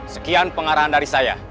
sekarang berseberangan dengan saya